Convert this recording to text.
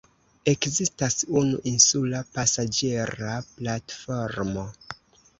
Ekzistas unu insula pasaĝera platformo.